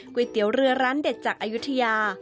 เตี๋ยวเรือร้านเด็ดจากอายุทยา